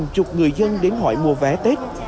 có hàng chục người dân đến hỏi mua vé tết